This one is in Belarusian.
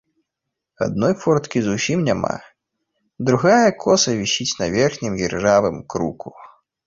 Адной форткі зусім няма, другая коса вісіць на верхнім іржавым круку.